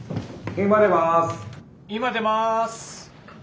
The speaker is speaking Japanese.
今出ます。